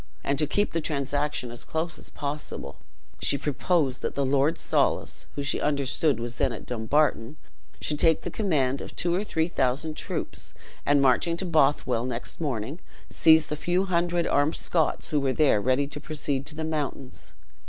And to keep the transaction as close as possible, she proposed that the Lord Soulis, who she understood was then at Dumbarton, should take the command of two or three thousand troops, and marching to Bothwell next morning, seize the few hundred armed Scots who were there ready to proceed to the mountains.